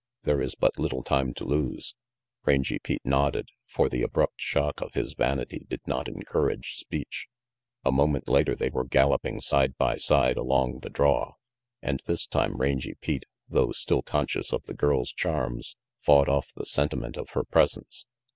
There is but little time to lose." < Rangy Pete nodded, for the abrupt shock of his vanity did not encourage speech. A moment later they were galloping side by side along the draw, and this time Rangy Pete, though still conscious of the girl's charms, fought off the sentiment of her presence.